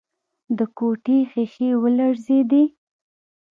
د کوټې ښيښې ولړزېدې.